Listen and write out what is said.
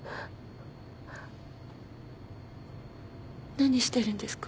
何してるんですか？